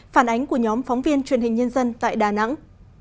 phản ánh của nhóm phóng viên truyền hình nhân dân tại đà nẵng